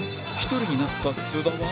１人になった津田は